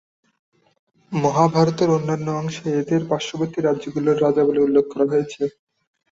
মহাভারতের অন্যান্য অংশে এঁদের পার্শ্ববর্তী রাজ্যগুলির রাজা বলে উল্লেখ করা হয়েছে।